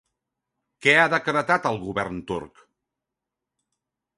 Què ha decretat el govern turc?